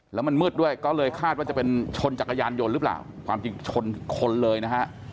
แล้วมันมืดด้วยก็เลยคาดว่าจะเป็นชนจักรยานยนต์หรือเปล่าความจริงชนคนเลยนะฮะ